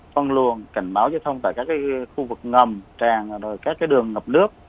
văn luồng cảnh báo giao thông tại các khu vực ngầm tràn các đường ngập nước